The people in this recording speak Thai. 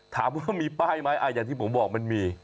ถามว่ามีป้ายไหมอย่างที่ผมบอกมันมี